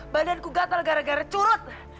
badanku gatel gara gara curut